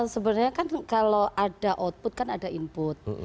sebenarnya kan kalau ada output kan ada input